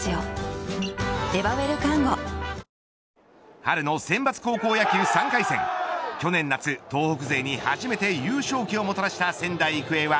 春の選抜高校野球３回戦去年夏、東北勢に初めて優勝旗をもたらした仙台育英は